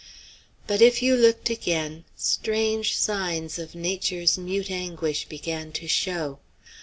But if you looked again, strange signs of nature's mute anguish began to show.